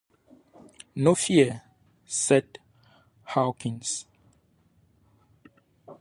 "No fear," said Hawkins.